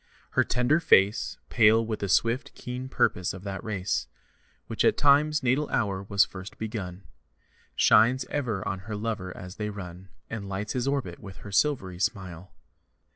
Her tender face, Pale with the swift, keen purpose of that race Which at Time's natal hour was first begun, Shines ever on her lover as they run And lights his orbit with her silvery smile.